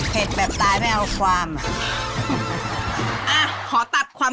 เผ็ดแบบตายไม่เอาความ